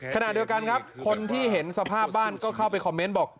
ขณะเดียวกันครับคนที่เห็นสภาพบ้านก็เข้าไปคอมเมนต์บอก